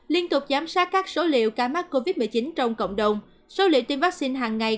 liên tục giám sát các số liệu ca mắc covid một mươi chín trong cộng đồng số liệu tiêm vaccine hàng ngày